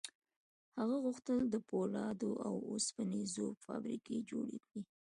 هغه غوښتل د پولادو او اوسپنې ذوب فابریکې جوړې کړي